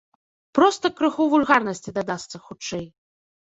Проста крыху вульгарнасці дадасца, хутчэй.